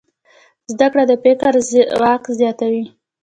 زده کړه د فکر ځواک زیاتوي.